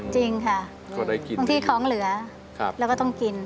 จริงค่ะบางทีของเหลือเราก็ต้องกิน